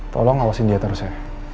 tolong awasin dia terus ya